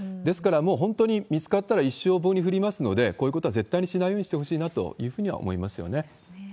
ですから、もう本当に、見つかったら一生を棒に振りますので、こういうことは絶対にしないようにしてほしいなと思いますね。